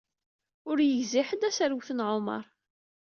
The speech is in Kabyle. Ur yegzi ḥedd aserwet n ɛumaṛ.